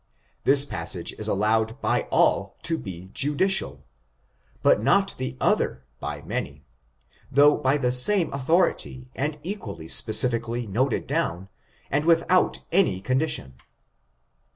This passage is allowed by all to be judicial^ but not the other by many, though by the same authority, and equally specifically noted down, and without any condition.